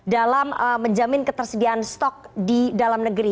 dalam menjamin ketersediaan stok di dalam negeri heb bahn